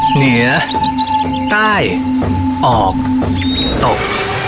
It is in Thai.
เหนือใต้ออกตก